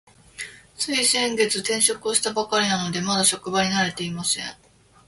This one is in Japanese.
つい先月、転職をしたばかりなので、まだ職場に慣れていません。